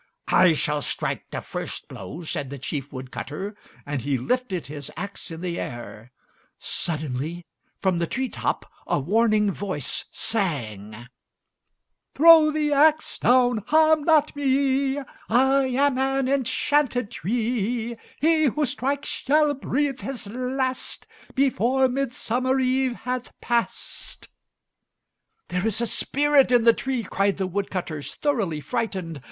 "I shall strike the first blow," said the chief wood cutter, and he lifted his axe in the air. Suddenly from the tree top a warning voice sang, "Throw the axe down, harm not me. I am an enchanted tree. He who strikes shall breathe his last, Before Midsummer Eve hath passed." "There is a spirit in the tree," cried the woodcutters, thoroughly frightened.